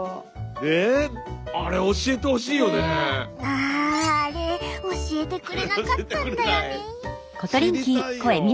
あああれ教えてくれなかったんだよね。